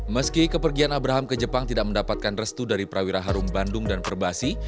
meski kepergian abraham ke jepang tidak mendapatkan restu dari prawira harum bandung dan perbasi